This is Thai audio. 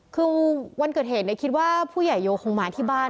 คือวันเกิดเหตุคิดว่าผู้ใหญ่โยคงมาที่บ้าน